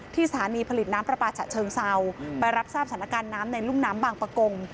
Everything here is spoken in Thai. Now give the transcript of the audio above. สถานีผลิตน้ำปลาปลาฉะเชิงเซาไปรับทราบสถานการณ์น้ำในรุ่มน้ำบางประกง